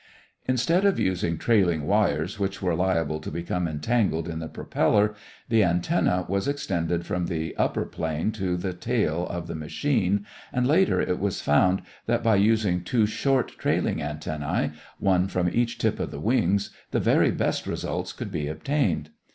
Instead of using trailing wires which were liable to become entangled in the propeller, the antenna was extended from the upper plane to the tail of the machine, and later it was found that by using two short trailing antennæ one from each tip of the wings, the very best results could be obtained.